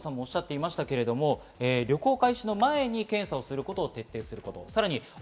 加藤さんもおっしゃっていましたが、旅行開始の前に検査をすることを徹底すること。